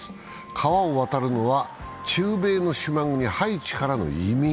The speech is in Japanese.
川を渡るのは中米の島国・ハイチからの移民。